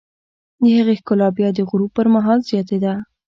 د هغې ښکلا بیا د غروب پر مهال زیاتېده.